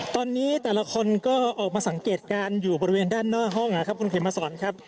ตอนนี้แต่ละคนก็ออกมาสังเกตการณ์อยู่บริเวณด้านหน้าห้องนะครับคุณเขมมาสอนครับ